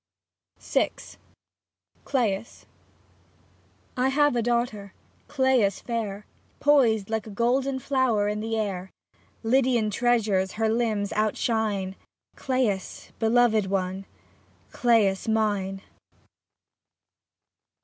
25 VI CLAitS I HAVE a daughter, Clais fair. Poised like a golden flower in air, Lydian treasures her limbs outshine (Cla'is, beloved one, Clais mine